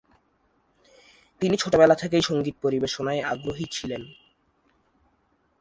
তিনি ছোটবেলা থেকেই সঙ্গীত পরিবেশনায় আগ্রহী ছিলেন।